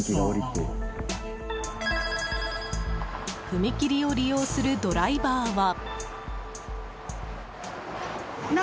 踏切を利用するドライバーは。